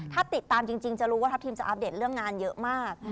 ถ้าติดตามจริงจะรู้ว่าทัพทีมจะอัปเดตเรื่องงานเยอะมาก